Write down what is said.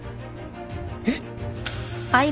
えっ？